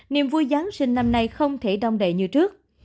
niềm vui giáng sinh năm nay không thể đong đệ như trước